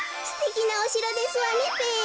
すてきなおしろですわねべ。